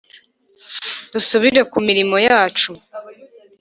Dusubire kumirimo yacu